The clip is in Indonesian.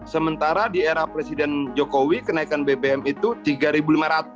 sementara di era presiden jokowi kenaikan bbm itu rp tiga lima ratus